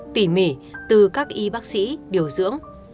tỉ mỉ từ các y bác sĩ điều dưỡng